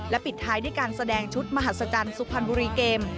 ปิดท้ายด้วยการแสดงชุดมหัศจรรย์สุพรรณบุรีเกม